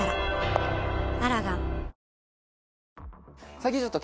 最近ちょっと。